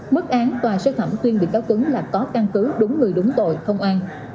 mất án tòa sơ thẩm tuyên bị cáo tuấn là có căn cứ đúng người đúng tội thông an